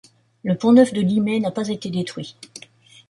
Le pont neuf de Limay n'a pas été détruit.